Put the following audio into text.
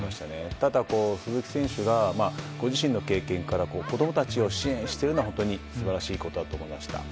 ただ、鈴木選手がご自身の経験から子供たちを支援しているのは本当に素晴らしいことだと思いました。